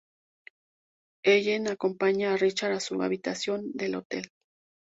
Ellen acompaña a Richard a su habitación de hotel.